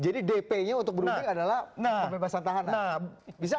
jadi dp nya untuk berunding adalah pembebasan tahanan